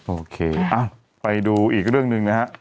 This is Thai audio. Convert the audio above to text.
โอเคไปดูอีกเรื่องหนึ่งนะฮะ